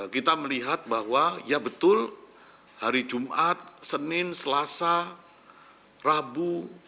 kita melihat bahwa ya betul hari jumat senin selasa rabu